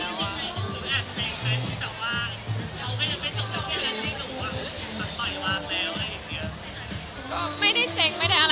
หรืออ่ะเจ๋งใครพูดแต่ว่าเขาไม่ได้เป็นตรงที่หนูว่ะ